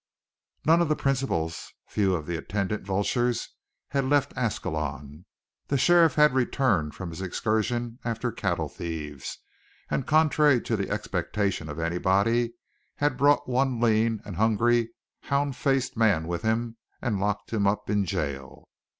None of the principals, few of the attendant vultures, had left Ascalon. The sheriff had returned from his excursion after cattle thieves, and, contrary to the expectation of anybody, had brought one lean and hungry, hound faced man with him and locked him up in jail.